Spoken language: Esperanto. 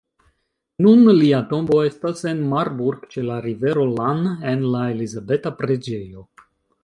Nun lia tombo estas en Marburg ĉe la rivero Lahn en la Elizabeta preĝejo.